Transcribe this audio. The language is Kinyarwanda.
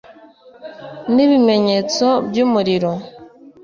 n ibimenyetso by umuriro